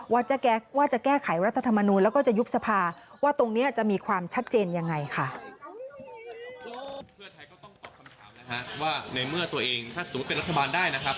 ว่าจะแก้ไขรัฐธรรมนูลแล้วก็จะยุบสภาว่าตรงเนี้ยจะมีความชัดเจนยังไงค่ะ